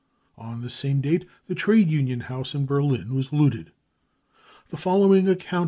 On the same date the Trade Union House in Berlin was looted. The following account